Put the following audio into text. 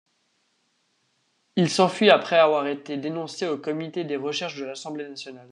Il s'enfuit après avoir été dénoncé au comité des recherches de l'Assemblée nationale.